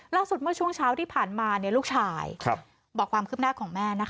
เมื่อช่วงเช้าที่ผ่านมาลูกชายบอกความคืบหน้าของแม่นะคะ